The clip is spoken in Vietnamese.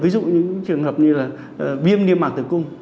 ví dụ những trường hợp như là viêm niêm mạc tử cung